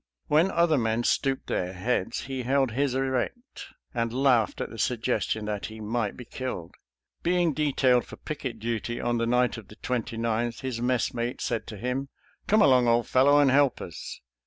When other men stooped their heads he held his erect, and laughed at the suggestion that he might be killed. Being detailed for picket duty on the night of the 29th, his messmate said to him, " Come along, old fellow, and help us."